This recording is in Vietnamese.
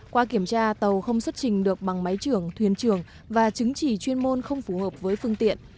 qua kiểm tra tàu không xuất trình được bằng máy trưởng thuyền trường và chứng chỉ chuyên môn không phù hợp với phương tiện